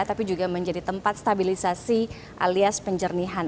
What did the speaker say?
tapi juga menjadi tempat stabilisasi alias penjernihan